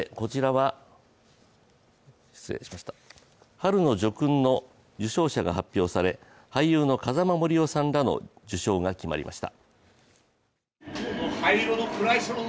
春の叙勲の受章者が発表され俳優の風間杜夫さんらの受章が決まりました。